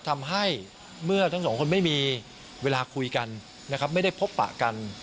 ทำให้เมื่อทั้งสองคนไม่มีเวลาคุยกันนะครับไม่ได้พบปะกัน